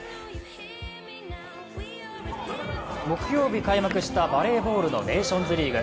木曜日開幕したバレーボールのネーションズリーグ。